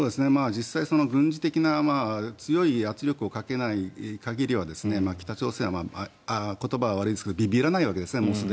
実際、軍事的な強い圧力をかけない限りは北朝鮮は言葉は悪いですがびびらないわけですね。